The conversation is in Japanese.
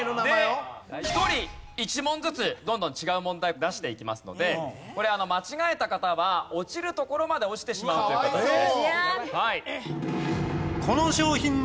で１人１問ずつどんどん違う問題を出していきますのでこれ間違えた方は落ちるところまで落ちてしまうという形です。